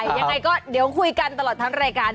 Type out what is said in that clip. ยังไงก็เดี๋ยวคุยกันตลอดทั้งรายการ